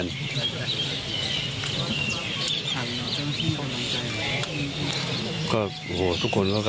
อีกสักครู่เดี๋ยวจะ